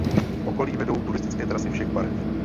V okolí vedou turistické trasy všech barev.